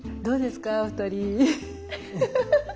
どうですか？